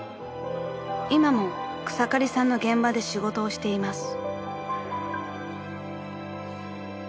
［今も草刈さんの現場で仕事をしています］